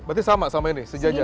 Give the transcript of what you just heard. berarti sama sama ini sejajar